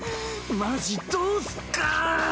マジどうすっか？